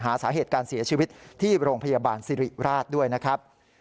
หาสาเหตุการเสียชีวิตที่โรงพยาบาลสิริราชด้วยนะครับ